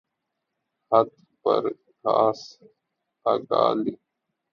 ھت پر گھاس اگا لی